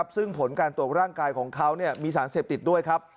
ซึ่งผลการตรวจร่างกายของเขามีสารเสพติดด้วยครับ